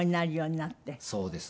そうです。